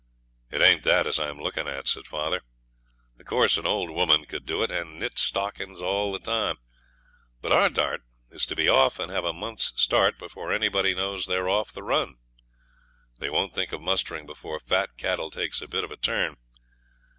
'It ain't that as I'm looking at,' said father; 'of course an old woman could do it, and knit stockings all the time; but our dart is to be off and have a month's start before anybody knows they are off the run. They won't think of mustering before fat cattle takes a bit of a turn.